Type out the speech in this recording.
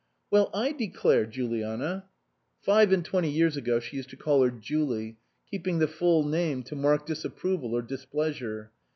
" Well, I declare, Juliana " (five and twenty years ago she used to call her " Jooley," keep ing the full name to mark disapproval or dis pleasure.